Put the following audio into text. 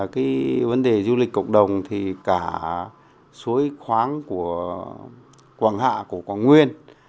cộng đồng thì cả suối khoáng của quảng hạ của quảng nguyên